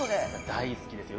大好きですよ。